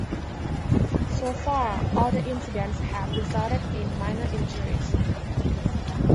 So far, all the incidents have resulted in minor injuries.